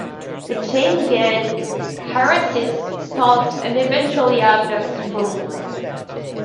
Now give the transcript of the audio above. The Chain Gang harasses, stalks, and eventually abducts Beaumont.